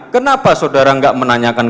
kenapa saudara tidak menanyakan